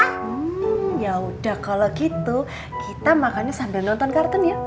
hmm yaudah kalo gitu kita makannya sambil nonton kartun ya